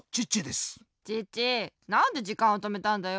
チッチなんでじかんをとめたんだよ？